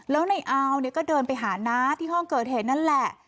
แล้วในอาวเนี่ยก็เดินไปหาน้าที่ห้องเกิดเหตุนั่นแหละ